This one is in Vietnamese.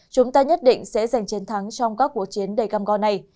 chúng ta nhất định sẽ giành chiến thắng trong các cuộc chiến đầy cam go này